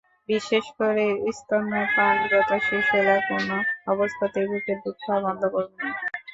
বিশেষ করে স্তন্যপানরত শিশুরা কোনো অবস্থাতেই বুকের দুধ খাওয়া বন্ধ করবে না।